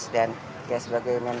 dan ya sebagai mendagri